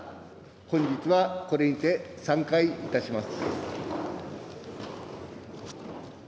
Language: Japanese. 本日はこれにて散会いたします。